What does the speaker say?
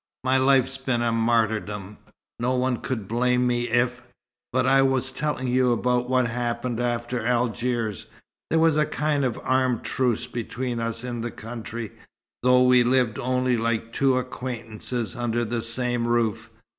My life's been a martyrdom. No one could blame me if but I was telling you about what happened after Algiers. There was a kind of armed truce between us in the country, though we lived only like two acquaintances under the same roof.